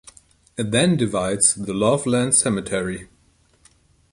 It then divides the Loveland cemetery.